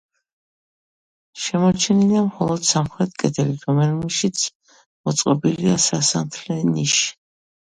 შემორჩენილია მხოლოდ სამხრეთ კედელი, რომელშიც მოწყობილია სასანთლე ნიში.